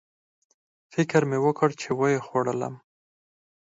فکر مې وکړ چې ویې خوړلم